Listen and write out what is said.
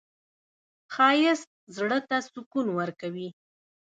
ښایست زړه ته سکون ورکوي